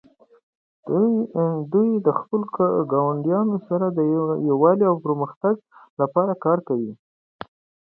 دوی د خپلو ګاونډیانو سره د یووالي او پرمختګ لپاره کار کوي.